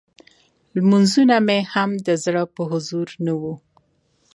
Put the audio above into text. لمونځونه مې هم د زړه په حضور نه وو.